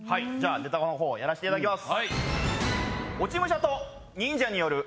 ネタのほうやらせていただきます。